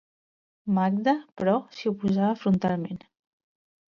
Magda, però, s'hi oposava frontalment.